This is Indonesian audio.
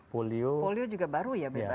polio juga baru ya bebas